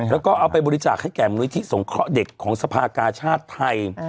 แล้วก็เอาไปบริจาคให้แก่มูลนิธิสงเคราะห์เด็กของสภากาชาติไทย